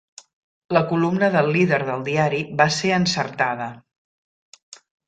La columna del líder del diari va ser encertada.